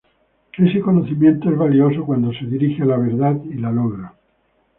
Ese conocimiento es valioso cuando se dirige a la verdad y la logra.